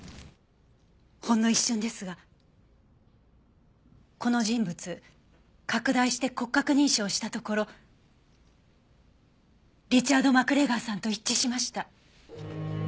ほんの一瞬ですがこの人物拡大して骨格認証したところリチャード・マクレガーさんと一致しました。